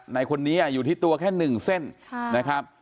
ในคนนี้อยู่ที่ตัวแค่๑เส้นนะครับ